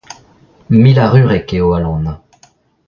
Milarurek eo Alan.